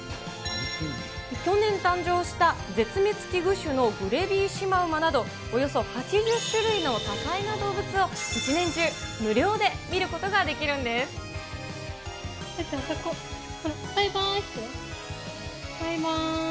去年誕生した絶滅危惧種のグレビーシマウマなど、およそ８０種類の多彩な動物を１年中、無料で見ることができるんあそこ、バイバーイして、バイバーイ。